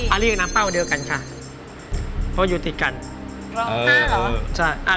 อารีแล้วกันด้วยกันครับ